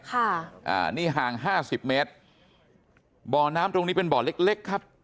ค่ะอ่านี่ห่างห้าสิบเมตรบ่อน้ำตรงนี้เป็นบ่อเล็กเล็กครับ